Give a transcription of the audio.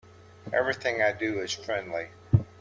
Everything I do is friendly.